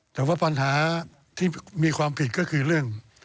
แต่ว่าปัญหาที่มีความผิดก็คือเรื่อง